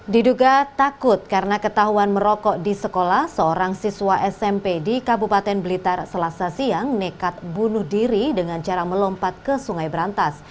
diduga takut karena ketahuan merokok di sekolah seorang siswa smp di kabupaten blitar selasa siang nekat bunuh diri dengan cara melompat ke sungai berantas